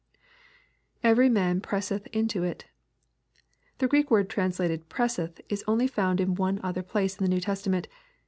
[Every man presseth into it.1 The Greek word translated " presseth," is only found in one other place in the New Testa ment.